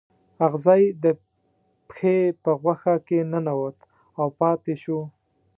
اغزی د پښې په غوښه کې ننوت او پاتې شو.